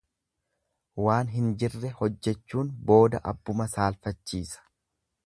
Waan hin jirre hojechuun booda abbuma saalfachiisa.